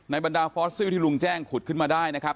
บรรดาฟอสซิลที่ลุงแจ้งขุดขึ้นมาได้นะครับ